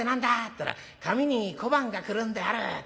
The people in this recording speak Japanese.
ったら『紙に小判がくるんである』。